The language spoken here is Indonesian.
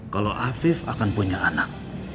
kalau afif akan punya anak